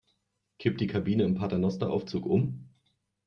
Kippt die Kabine im Paternosteraufzug um?